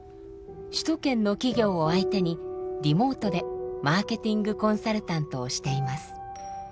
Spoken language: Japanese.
首都圏の企業を相手にリモートでマーケティングコンサルタントをしています。